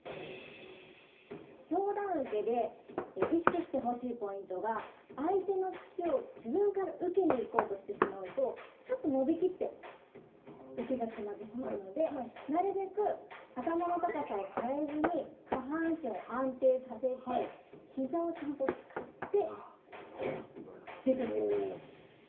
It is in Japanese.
上段受けで意識してほしいポイントが相手の突きを自分から受けに行こうとしてしまうとちょっと伸びきって受けが決まってしまうのでなるべく頭の高さを変えずに下半身を安定させて膝をちゃんと使って出ていってほしいです。